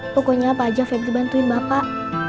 pokoknya apa aja febri bantuin bapak